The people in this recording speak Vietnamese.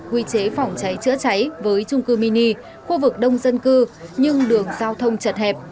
quy chế phòng cháy chữa cháy với trung cư mini khu vực đông dân cư nhưng đường giao thông chật hẹp